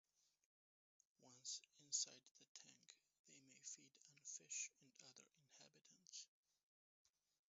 Once inside the tank, they may feed on fish and other inhabitants.